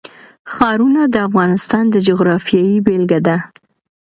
ښارونه د افغانستان د جغرافیې بېلګه ده.